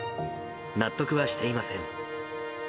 納得はしていません。